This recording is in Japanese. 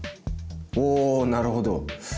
おなるほど。